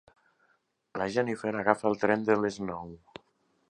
La Jennifer agafa el tren de les nou.